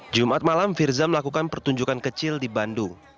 jumat malam firza melakukan pertunjukan kecil di bandung